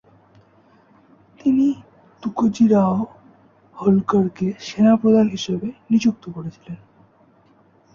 তিনি তুকোজিরাও হোলকরকে সেনাপ্রধান হিসেবে নিযুক্ত করেছিলেন।